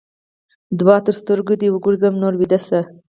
دوعا؛ تر سترګو دې وګرځم؛ نور ويده شه.